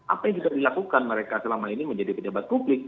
apa yang sudah dilakukan mereka selama ini menjadi pejabat publik